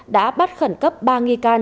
đã bắt khẩn cấp ba nghi can